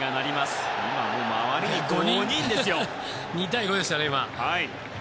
２対５でしたね、今。